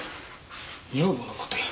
女房の事や。